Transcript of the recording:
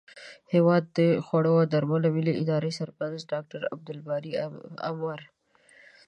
هیواد د خوړو او درملو ملي ادارې سرپرست ډاکټر عبدالباري عمر